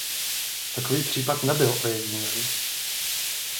Takový případ nebyl ojedinělý.